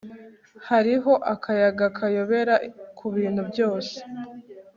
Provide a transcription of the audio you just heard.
hariho akayaga kayobera kubintu byose